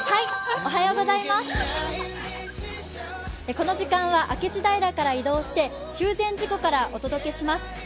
この時間は明智平から移動して中禅寺湖からお届けします。